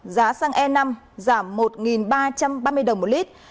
giá xăng e năm giảm một ba trăm ba mươi đồng một lít